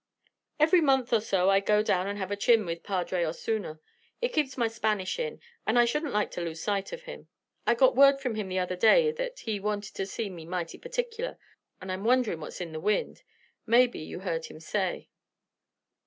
"Every month or so I go down and have a chin with Padre Osuna. It keeps my Spanish in, and I shouldn't like to lose sight of him. I got word from him the other day that he wanted to see me mighty particular, and I'm wonderin' what's in the wind. Maybe you heard him say."